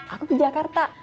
aku di jakarta